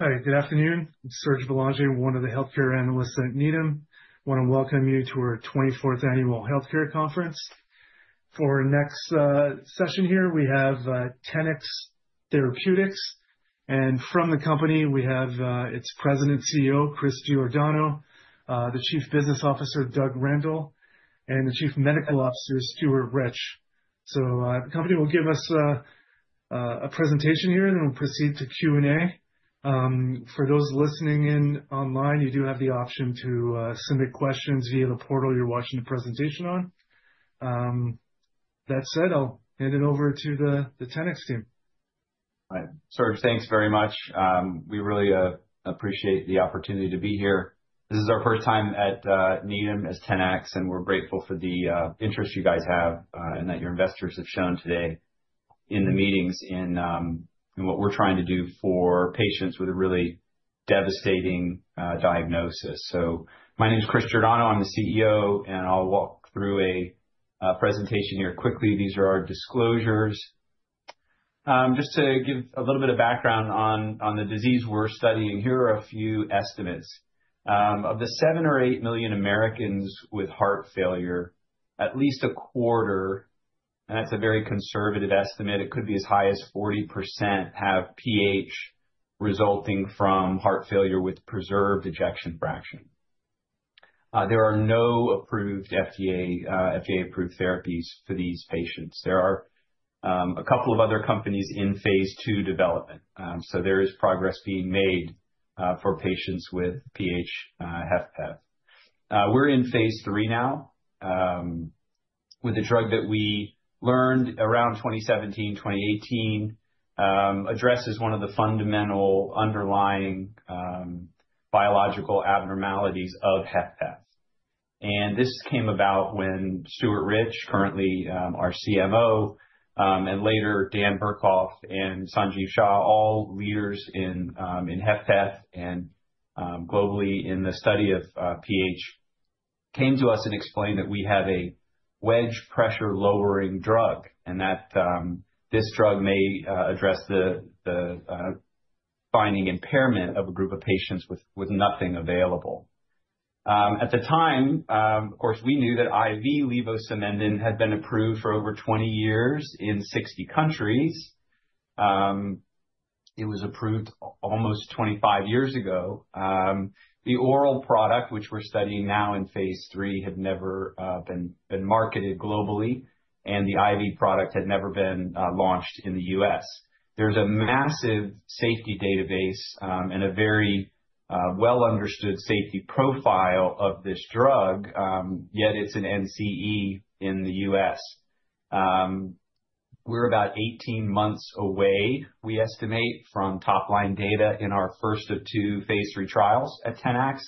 All right, good afternoon. It's Serge Belanger, one of the healthcare analysts at Needham. I want to welcome you to our 24th annual healthcare conference. For our next session here, we have Tenax Therapeutics. From the company, we have its President and CEO, Chris Giordano, the Chief Business Officer, Doug Randall, and the Chief Medical Officer, Stuart Rich. The company will give us a presentation here, and then we'll proceed to Q&A. For those listening in online, you do have the option to submit questions via the portal you're watching the presentation on. That said, I'll hand it over to the Tenax team. All right, Serge, thanks very much. We really appreciate the opportunity to be here. This is our first time at Needham as Tenax, and we're grateful for the interest you guys have and that your investors have shown today in the meetings and what we're trying to do for patients with a really devastating diagnosis. My name is Chris Giordano. I'm the CEO, and I'll walk through a presentation here quickly. These are our disclosures. Just to give a little bit of background on the disease we're studying, here are a few estimates. Of the seven or eight million Americans with heart failure, at least a quarter, and that's a very conservative estimate, it could be as high as 40%, have PH resulting from heart failure with preserved ejection fraction. There are no FDA-approved therapies for these patients. There are a couple of other companies in Phase II development. There is progress being made for patients with PH-HFpEF. We're in Phase III now with a drug that we learned around 2017, 2018, addresses one of the fundamental underlying biological abnormalities of HFpEF. This came about when Stuart Rich, currently our CMO, and later Dan Burkhoff and Sanjiv Shah, all leaders in HFpEF and globally in the study of PH, came to us and explained that we have a wedge pressure lowering drug and that this drug may address the defining impairment of a group of patients with nothing available. At the time, of course, we knew that IV levosimendan had been approved for over 20 years in 60 countries. It was approved almost 25 years ago. The oral product, which we're studying now in Phase III, had never been marketed globally, and the IV product had never been launched in the U.S. There's a massive safety database and a very well-understood safety profile of this drug, yet it's an NCE in the U.S. We're about 18 months away, we estimate, from top-line data in our first of two Phase III trials at Tenax.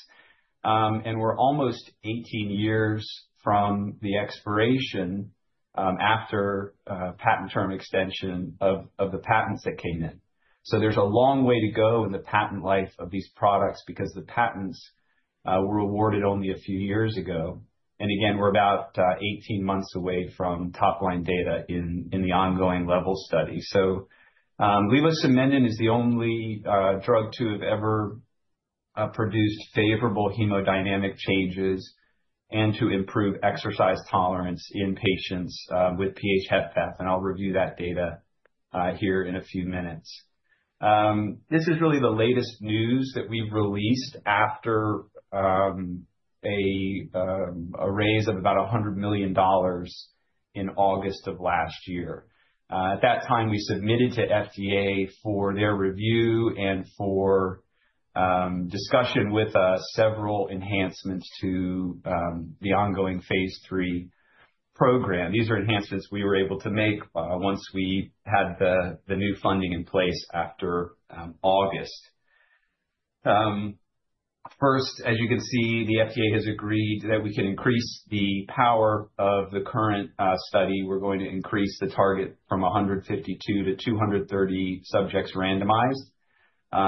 We're almost 18 years from the expiration after patent term extension of the patents that came in. There is a long way to go in the patent life of these products because the patents were awarded only a few years ago. We're about 18 months away from top-line data in the ongoing LEVEL Study. Levosimendan is the only drug to have ever produced favorable hemodynamic changes and to improve exercise tolerance in patients with PH-HFpEF. I'll review that data here in a few minutes. This is really the latest news that we've released after a raise of about $100 million in August of last year. At that time, we submitted to FDA for their review and for discussion with several enhancements to the ongoing Phase II program. These are enhancements we were able to make once we had the new funding in place after August. First, as you can see, the FDA has agreed that we can increase the power of the current study. We're going to increase the target from 152 to 230 subjects randomized.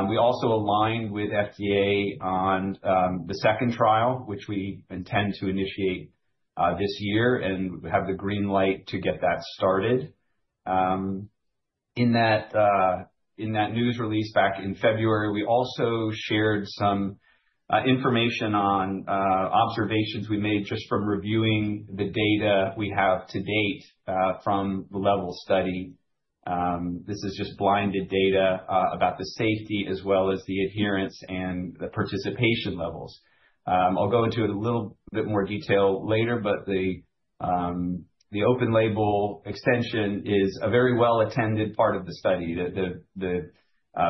We also aligned with FDA on the second trial, which we intend to initiate this year and have the green light to get that started. In that news release back in February, we also shared some information on observations we made just from reviewing the data we have to date from the LEVEL Study. This is just blinded data about the safety as well as the adherence and the participation levels. I'll go into it in a little bit more detail later, but the Open Label Extension is a very well-attended part of the study. The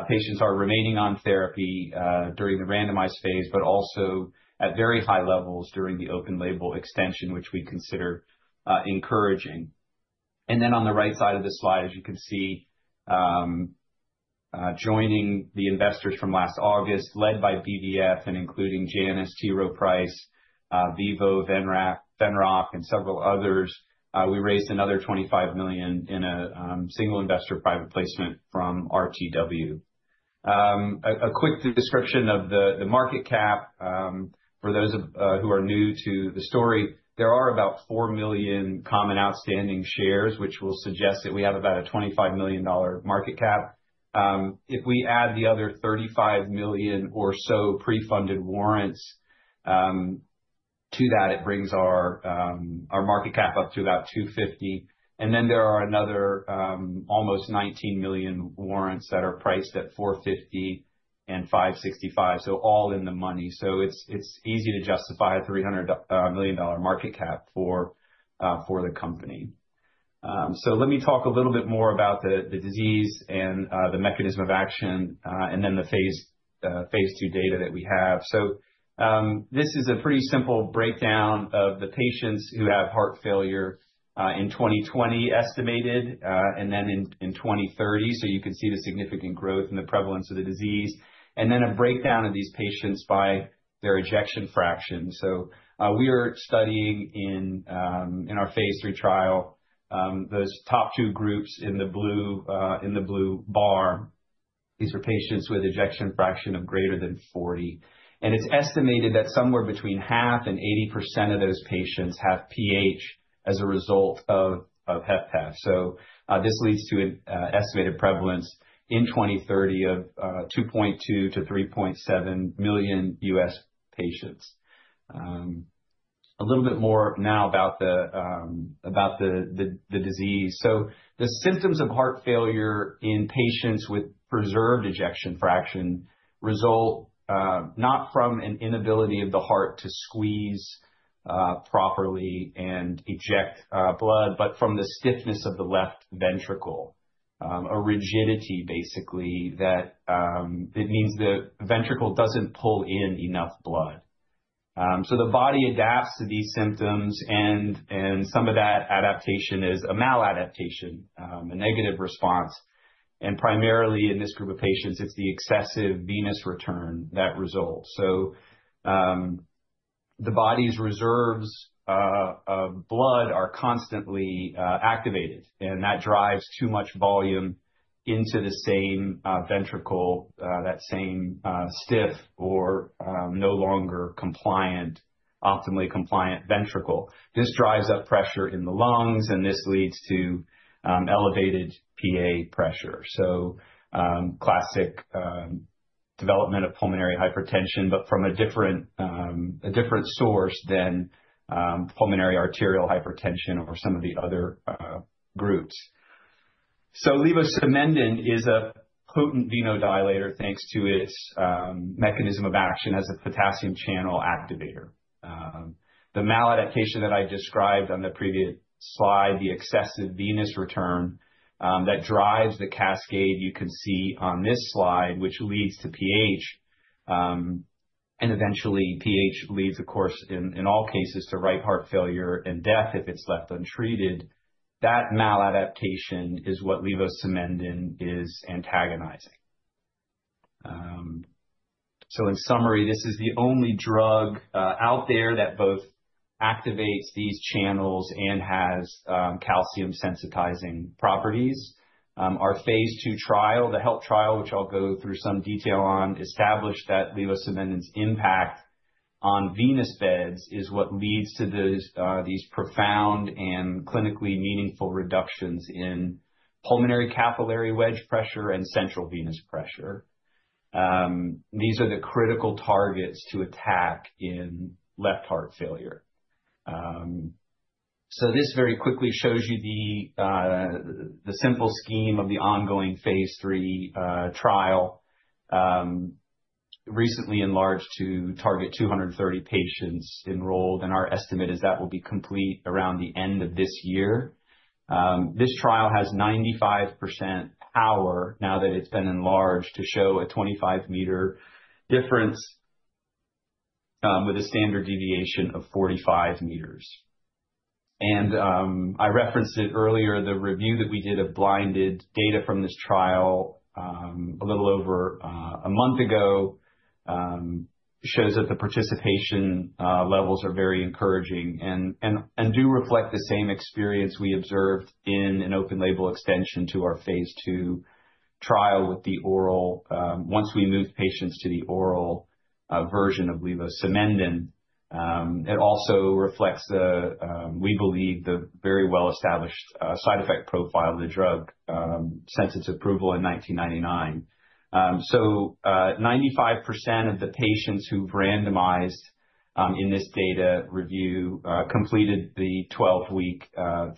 patients are remaining on therapy during the randomized Phase, but also at very high levels during the Open Label Extension, which we consider encouraging. On the right side of the slide, as you can see, joining the investors from last August, led by BVF and including Janus, T. Rowe Price, Vivo, Venrock, and several others, we raised another $25 million in a single investor private placement from RTW. A quick description of the market cap for those who are new to the story, there are about four million common outstanding shares, which will suggest that we have about a $25 million market cap. If we add the other 35 million or so pre-funded warrants to that, it brings our market cap up to about $250 million. And then there are another almost 19 million warrants that are priced at $4.50 and $5.65, so all in the money. So it's easy to justify a $300 million market cap for the company. Let me talk a little bit more about the disease and the mechanism of action and then the Phase II data that we have. This is a pretty simple breakdown of the patients who have heart failure in 2020 estimated and then in 2030. You can see the significant growth and the prevalence of the disease. A breakdown of these patients by their ejection fraction. We are studying in our Phase III trial those top two groups in the blue bar. These are patients with ejection fraction of greater than 40. It's estimated that somewhere between half and 80% of those patients have PH as a result of HFpEF. This leads to an estimated prevalence in 2030 of 2.2-3.7 million U.S. patients. A little bit more now about the disease. The symptoms of heart failure in patients with preserved ejection fraction result not from an inability of the heart to squeeze properly and eject blood, but from the stiffness of the left ventricle, a rigidity basically that means the ventricle doesn't pull in enough blood. The body adapts to these symptoms, and some of that adaptation is a maladaptation, a negative response. Primarily in this group of patients, it's the excessive venous return that results. The body's reserves of blood are constantly activated, and that drives too much volume into the same ventricle, that same stiff or no longer optimally compliant ventricle. This drives up pressure in the lungs, and this leads to elevated PA pressure. Classic development of pulmonary hypertension, but from a different source than pulmonary arterial hypertension or some of the other groups. Levosimendan is a potent venodilator thanks to its mechanism of action as a potassium channel activator. The maladaptation that I described on the previous slide, the excessive venous return that drives the cascade you can see on this slide, which leads to PH. Eventually, PH leads, of course, in all cases to right heart failure and death if it's left untreated. That maladaptation is what levosimendan is antagonizing. In summary, this is the only drug out there that both activates these channels and has calcium-sensitizing properties. Our Phase II trial, the HELP trial, which I'll go through some detail on, established that levosimendan's impact on venous beds is what leads to these profound and clinically meaningful reductions in pulmonary capillary wedge pressure and central venous pressure. These are the critical targets to attack in left heart failure. This very quickly shows you the simple scheme of the ongoing Phase III trial, recently enlarged to target 230 patients enrolled. Our estimate is that will be complete around the end of this year. This trial has 95% power now that it's been enlarged to show a 25-meter difference with a standard deviation of 45 meters. I referenced it earlier, the review that we did of blinded data from this trial a little over a month ago shows that the participation levels are very encouraging and do reflect the same experience we observed in an Open Label Extension to our Phase II trial with the oral. Once we moved patients to the oral version of levosimendan, it also reflects, we believe, the very well-established side effect profile of the drug since its approval in 1999. Greater than 95% of the patients who've randomized in this data review completed the 12-week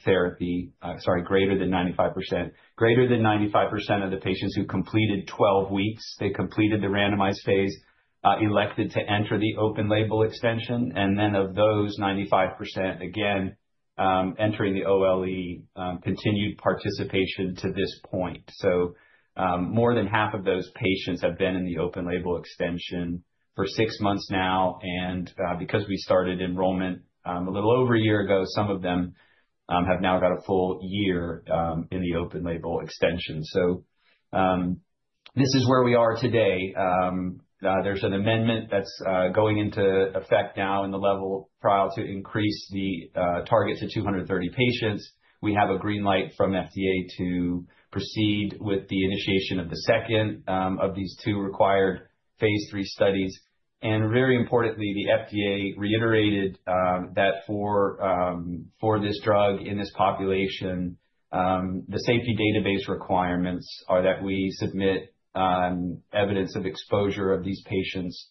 therapy, sorry, greater than 95%. Greater than 95% of the patients who completed 12 weeks, they completed the randomized phase, elected to enter the Open Label Extension. Of those 95%, again, entering the OLE, continued participation to this point. More than half of those patients have been in the Open Label Extension for six months now. Because we started enrollment a little over a year ago, some of them have now got a full year in the Open Label Extension. This is where we are today. There's an amendment that's going into effect now in the LEVEL trial to increase the target to 230 patients. We have a green light from FDA to proceed with the initiation of the second of these two required Phase III studies. Very importantly, the FDA reiterated that for this drug in this population, the safety database requirements are that we submit evidence of exposure of these patients,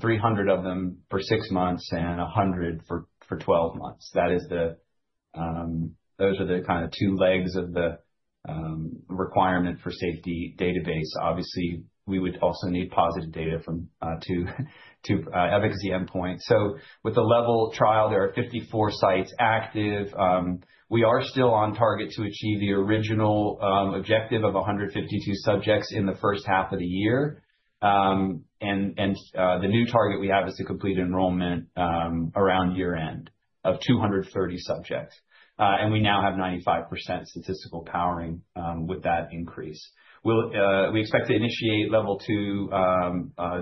300 of them for six months and 100 for 12 months. Those are the kind of two legs of the requirement for safety database. Obviously, we would also need positive data from two efficacy endpoints. With the LEVEL trial, there are 54 sites active. We are still on target to achieve the original objective of 152 subjects in the first half of the year. The new target we have is to complete enrollment around year-end of 230 subjects. We now have 95% statistical powering with that increase. We expect to initiate LEVEL 2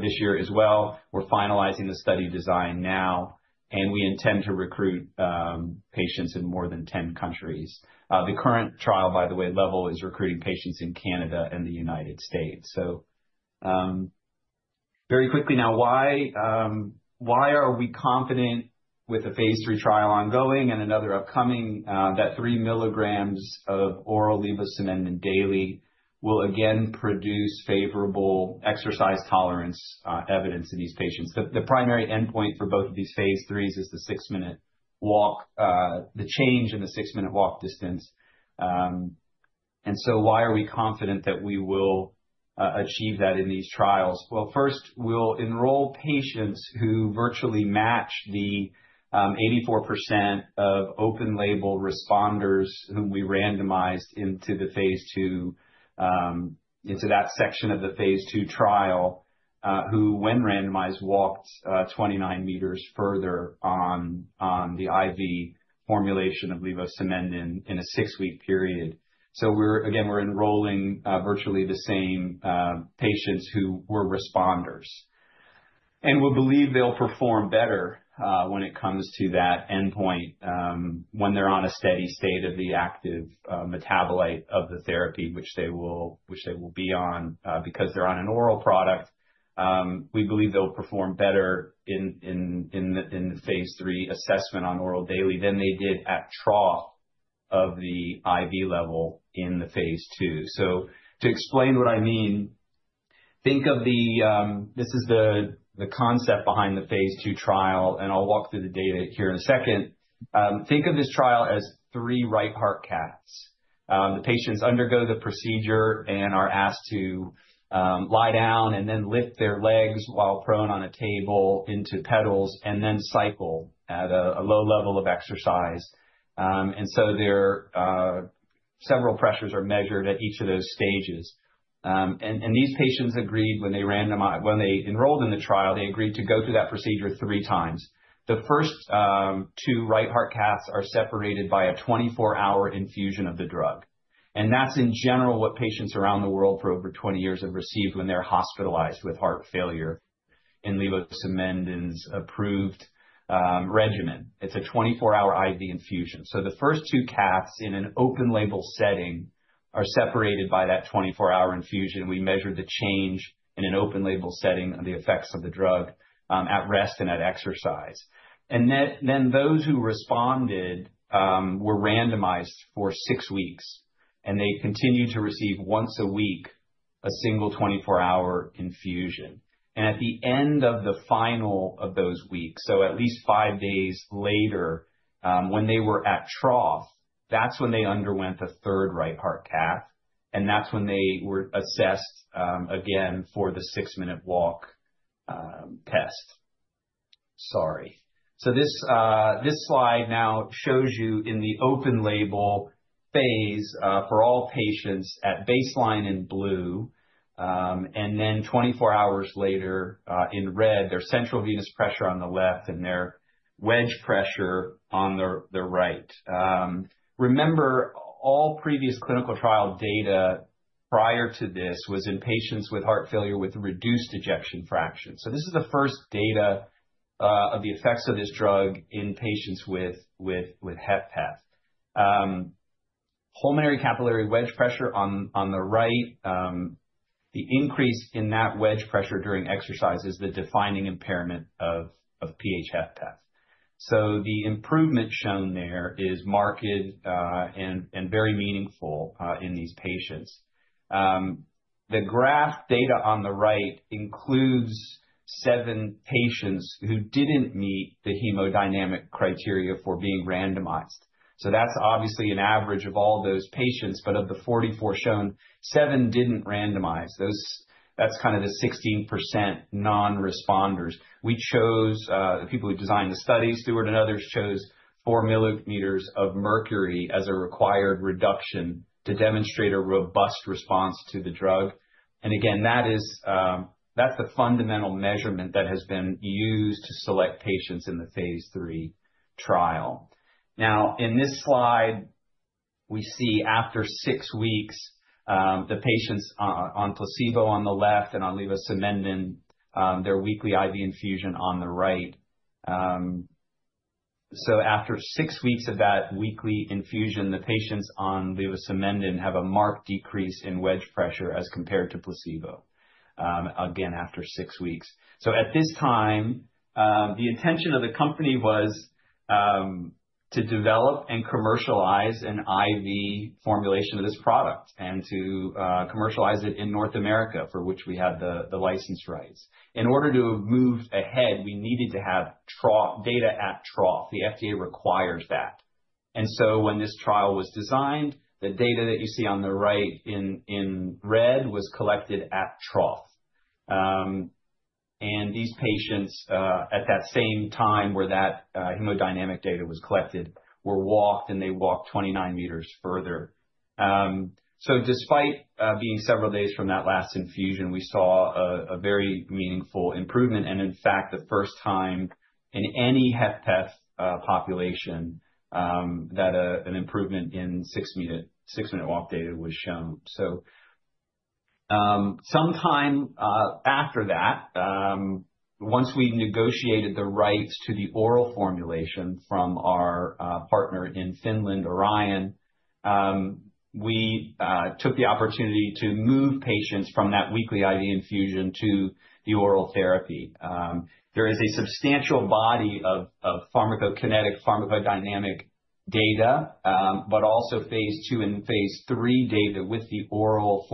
this year as well. We're finalizing the study design now, and we intend to recruit patients in more than 10 countries. The current trial, by the way, LEVEL, is recruiting patients in Canada and the United States. Very quickly now, why are we confident with a Phase III trial ongoing and another upcoming that 3 milligrams of oral levosimendan daily will again produce favorable exercise tolerance evidence in these patients? The primary endpoint for both of these Phase IIIs is the six-minute walk, the change in the six-minute walk distance. Why are we confident that we will achieve that in these trials? First, we'll enroll patients who virtually match the 84% of open label responders whom we randomized into that section of the Phase II trial who, when randomized, walked 29 meters further on the IV formulation of levosimendan in a six-week period. Again, we're enrolling virtually the same patients who were responders. We believe they'll perform better when it comes to that endpoint when they're on a steady state of the active metabolite of the therapy, which they will be on because they're on an oral product. We believe they'll perform better in the Phase III assessment on oral daily than they did at trough of the IV levo in the Phase II. To explain what I mean, think of this as the concept behind the Phase II trial, and I'll walk through the data here in a second. Think of this trial as three right heart caths. The patients undergo the procedure and are asked to lie down and then lift their legs while prone on a table into pedals and then cycle at a low level of exercise. Several pressures are measured at each of those stages. These patients agreed when they enrolled in the trial, they agreed to go through that procedure three times. The first two right heart caths are separated by a 24-hour infusion of the drug. That's in general what patients around the world for over 20 years have received when they're hospitalized with heart failure in levosimendan's approved regimen. It's a 24-hour IV infusion. The first two caths in an open label setting are separated by that 24-hour infusion. We measured the change in an open label setting and the effects of the drug at rest and at exercise. Those who responded were randomized for six weeks, and they continued to receive once a week a single 24-hour infusion. At the end of the final of those weeks, at least five days later, when they were at trough, that's when they underwent the third right heart cath. That's when they were assessed again for the six-minute walk test. Sorry. This slide now shows you in the open label phase for all patients at baseline in blue, and then 24 hours later in red, their central venous pressure on the left and their wedge pressure on the right. Remember, all previous clinical trial data prior to this was in patients with heart failure with reduced ejection fraction. This is the first data of the effects of this drug in patients with HFpEF. Pulmonary capillary wedge pressure on the right, the increase in that wedge pressure during exercise is the defining impairment of PH-HFpEF. The improvement shown there is marked and very meaningful in these patients. The graph data on the right includes seven patients who did not meet the hemodynamic criteria for being randomized. That is obviously an average of all those patients, but of the 44 shown, seven did not randomize. That is kind of the 16% non-responders. We chose, the people who designed the study, Stuart and others, chose 4 millimeters of mercury as a required reduction to demonstrate a robust response to the drug. That's the fundamental measurement that has been used to select patients in the Phase III trial. In this slide, we see after six weeks, the patients on placebo on the left and on levosimendan, their weekly IV infusion on the right. After six weeks of that weekly infusion, the patients on levosimendan have a marked decrease in wedge pressure as compared to placebo, again, after six weeks. At this time, the intention of the company was to develop and commercialize an IV formulation of this product and to commercialize it in North America, for which we had the license rights. In order to move ahead, we needed to have data at trough. The FDA requires that. When this trial was designed, the data that you see on the right in red was collected at trough. These patients at that same time where that hemodynamic data was collected were walked, and they walked 29 meters further. Despite being several days from that last infusion, we saw a very meaningful improvement. In fact, the first time in any HFpEF population that an improvement in six-minute walk data was shown. Sometime after that, once we negotiated the rights to the oral formulation from our partner in Finland, Orion, we took the opportunity to move patients from that weekly IV infusion to the oral therapy. There is a substantial body of pharmacokinetic, pharmacodynamic data, but also Phase II and Phase III data with the oral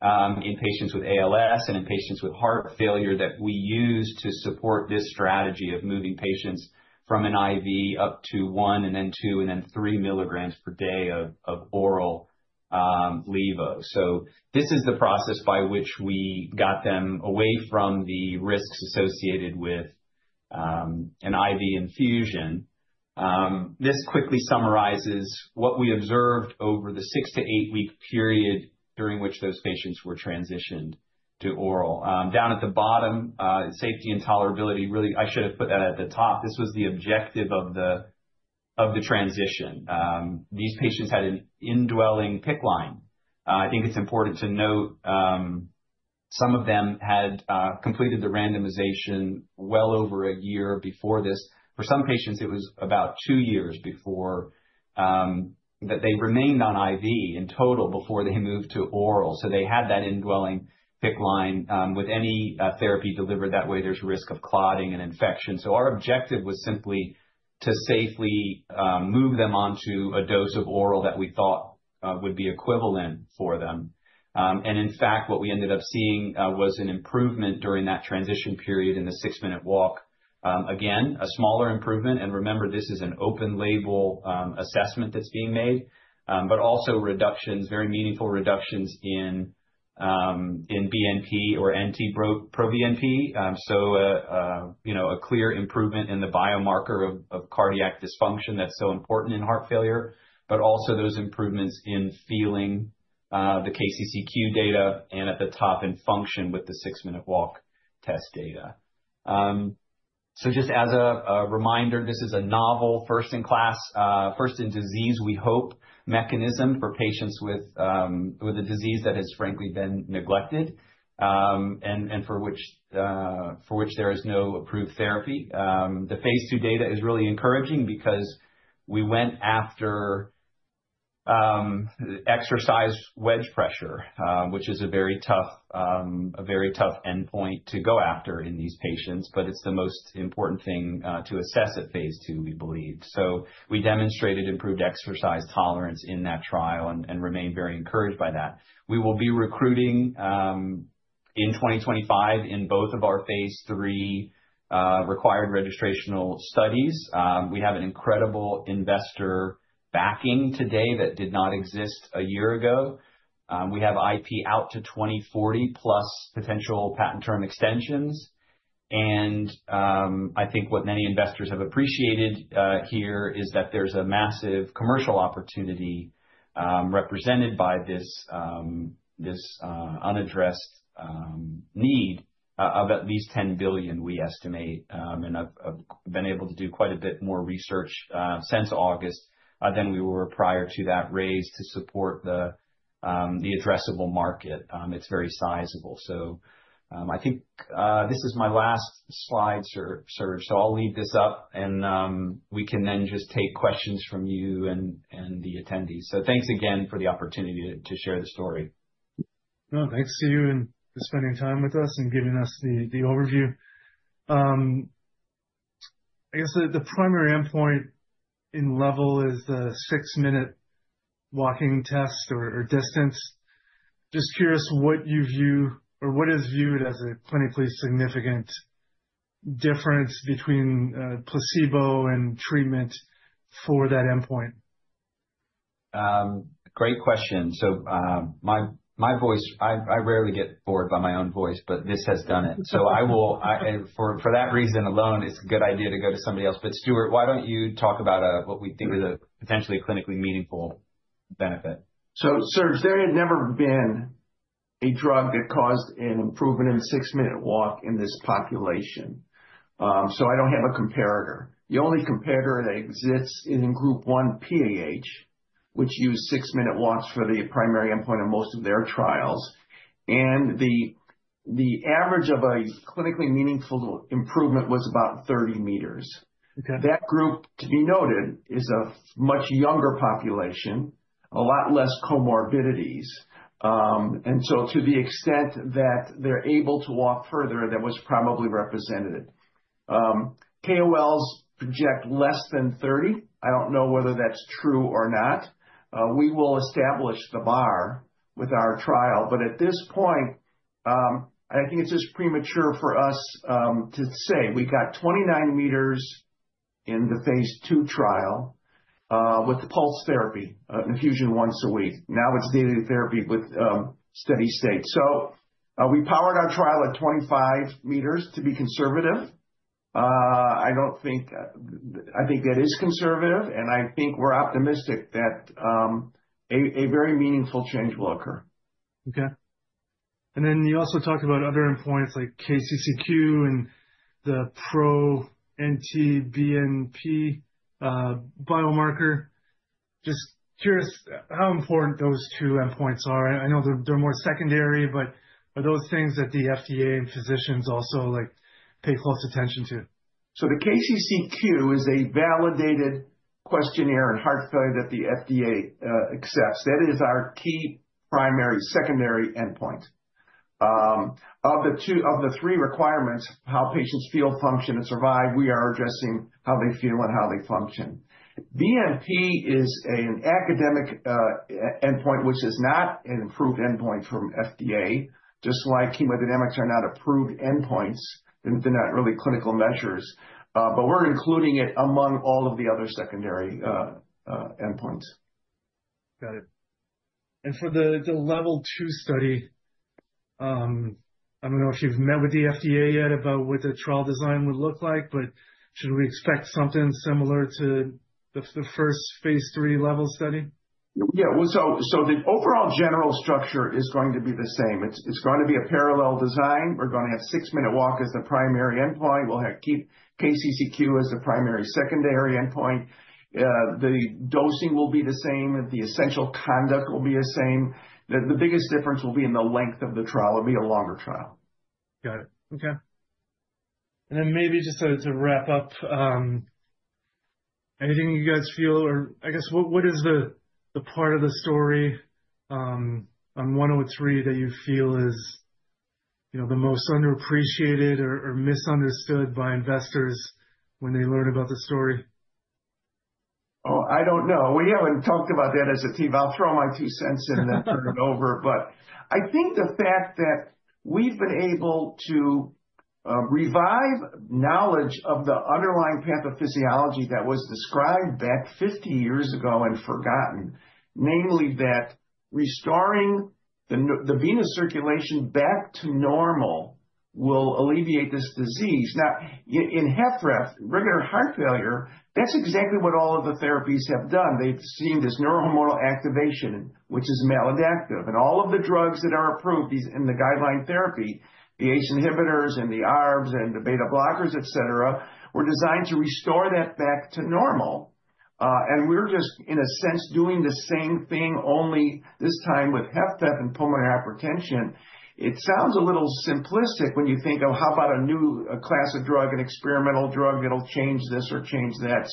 formulation in patients with ALS and in patients with heart failure that we use to support this strategy of moving patients from an IV up to one and then two and then three milligrams per day of oral levo. This is the process by which we got them away from the risks associated with an IV infusion. This quickly summarizes what we observed over the six- to eight-week period during which those patients were transitioned to oral. Down at the bottom, safety and tolerability, really, I should have put that at the top. This was the objective of the transition. These patients had an indwelling PICC line. I think it's important to note some of them had completed the randomization well over a year before this. For some patients, it was about two years before that they remained on IV in total before they moved to oral. They had that indwelling PICC line with any therapy delivered that way. There's risk of clotting and infection. Our objective was simply to safely move them onto a dose of oral that we thought would be equivalent for them. In fact, what we ended up seeing was an improvement during that transition period in the six-minute walk. Again, a smaller improvement. Remember, this is an open label assessment that's being made, but also reductions, very meaningful reductions in BNP or NT-proBNP. A clear improvement in the biomarker of cardiac dysfunction that's so important in heart failure, but also those improvements in feeling, the KCCQ data, and at the top in function with the six-minute walk test data. Just as a reminder, this is a novel first-in-class, first-in-disease, we hope, mechanism for patients with a disease that has frankly been neglected and for which there is no approved therapy. The Phase II data is really encouraging because we went after exercise wedge pressure, which is a very tough endpoint to go after in these patients, but it's the most important thing to assess at Phase II, we believe. We demonstrated improved exercise tolerance in that trial and remained very encouraged by that. We will be recruiting in 2025 in both of our Phase III required registrational studies. We have an incredible investor backing today that did not exist a year ago. We have IP out to 2040 plus potential patent term extensions. I think what many investors have appreciated here is that there's a massive commercial opportunity represented by this unaddressed need of at least $10 billion, we estimate. I've been able to do quite a bit more research since August than we were prior to that raise to support the addressable market. It's very sizable. I think this is my last slide, Serge. I'll leave this up, and we can then just take questions from you and the attendees. Thanks again for the opportunity to share the story. No, thanks to you for spending time with us and giving us the overview. I guess the primary endpoint in LEVEL is the six-minute walk distance. Just curious what you view or what is viewed as a clinically significant difference between placebo and treatment for that endpoint. Great question. My voice, I rarely get bored by my own voice, but this has done it. For that reason alone, it's a good idea to go to somebody else. Stuart, why don't you talk about what we think is potentially a clinically meaningful benefit? Serge, there had never been a drug that caused an improvement in six-minute walk in this population. I do not have a comparator. The only comparator that exists is in Group 1 PAH, which used six-minute walks for the primary endpoint of most of their trials. The average of a clinically meaningful improvement was about 30 meters. That group, to be noted, is a much younger population, a lot less comorbidities. To the extent that they are able to walk further, that was probably represented. KOLs project less than 30. I do not know whether that is true or not. We will establish the bar with our trial. At this point, I think it is just premature for us to say we got 29 meters in the Phase II trial with pulse therapy, infusion once a week. Now it is daily therapy with steady state. We powered our trial at 25 meters to be conservative. I think that is conservative, and I think we're optimistic that a very meaningful change will occur. Okay. You also talked about other endpoints like KCCQ and the NT-proBNP biomarker. Just curious how important those two endpoints are. I know they're more secondary, but are those things that the FDA and physicians also pay close attention to? The KCCQ is a validated questionnaire in heart failure that the FDA accepts. That is our key primary secondary endpoint. Of the three requirements, how patients feel, function, and survive, we are addressing how they feel and how they function. BNP is an academic endpoint, which is not an approved endpoint from FDA, just like hemodynamics are not approved endpoints. They are not really clinical measures. We are including it among all of the other secondary endpoints. Got it. For the LEVEL 2 study, I don't know if you've met with the FDA yet about what the trial design would look like, but should we expect something similar to the first Phase III LEVEL study? Yeah. The overall general structure is going to be the same. It's going to be a parallel design. We're going to have six-minute walk as the primary endpoint. We'll keep KCCQ as the primary secondary endpoint. The dosing will be the same. The essential conduct will be the same. The biggest difference will be in the length of the trial. It'll be a longer trial. Got it. Okay. Maybe just to wrap up, anything you guys feel or I guess, what is the part of the story on 103 that you feel is the most underappreciated or misunderstood by investors when they learn about the story? Oh, I don't know. We haven't talked about that as a team. I'll throw my two cents in that, turn it over. I think the fact that we've been able to revive knowledge of the underlying pathophysiology that was described back 50 years ago and forgotten, namely that restoring the venous circulation back to normal will alleviate this disease. Now, in HFpEF, regular heart failure, that's exactly what all of the therapies have done. They've seen this neurohormonal activation, which is maladaptive. All of the drugs that are approved in the guideline therapy, the ACE inhibitors and the ARBs and the beta blockers, etc., were designed to restore that back to normal. We're just, in a sense, doing the same thing, only this time with HFpEF and pulmonary hypertension. It sounds a little simplistic when you think, "Oh, how about a new class of drug, an experimental drug that'll change this or change that?"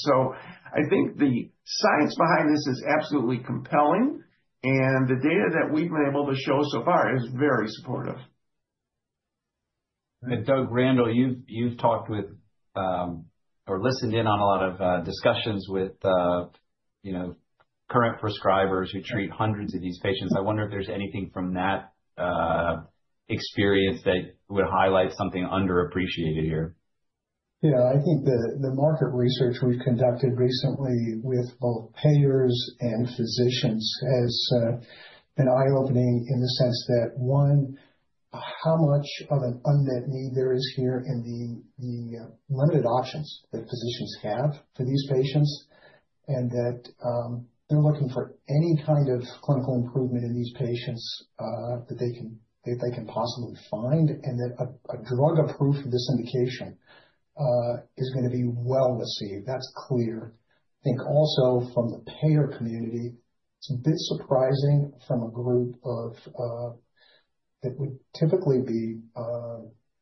I think the science behind this is absolutely compelling, and the data that we've been able to show so far is very supportive. Doug Randall, you've talked with or listened in on a lot of discussions with current prescribers who treat hundreds of these patients. I wonder if there's anything from that experience that would highlight something underappreciated here. Yeah. I think the market research we've conducted recently with both payers and physicians has been eye-opening in the sense that, one, how much of an unmet need there is here in the limited options that physicians have for these patients and that they're looking for any kind of clinical improvement in these patients that they can possibly find and that a drug approved for this indication is going to be well received. That's clear. I think also from the payer community, it's a bit surprising from a group that would typically be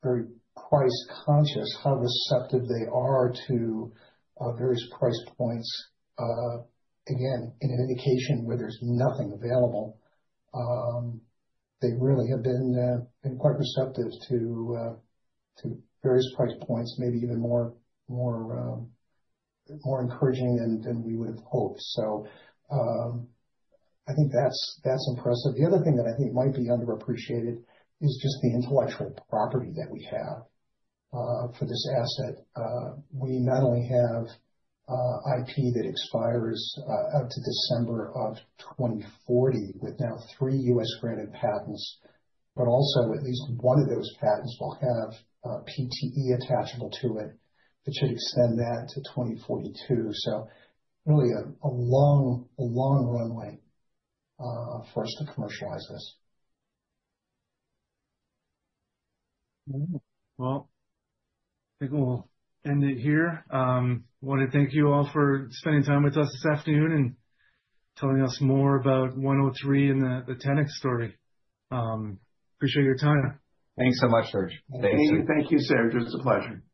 very price-conscious, how receptive they are to various price points. Again, in an indication where there's nothing available, they really have been quite receptive to various price points, maybe even more encouraging than we would have hoped. I think that's impressive. The other thing that I think might be underappreciated is just the intellectual property that we have for this asset. We not only have IP that expires out to December of 2040 with now three U.S.-granted patents, but also at least one of those patents will have PTE attachable to it that should extend that to 2042. Really a long runway for us to commercialize this. I think we'll end it here. I want to thank you all for spending time with us this afternoon and telling us more about 103 and the Tenax story. Appreciate your time. Thanks so much, Serge. Stay safe. Thank you, Serge. It was a pleasure.